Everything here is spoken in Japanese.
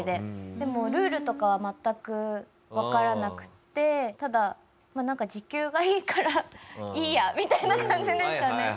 でもルールとかは全くわからなくてただなんか時給がいいからいいやみたいな感じでしたね。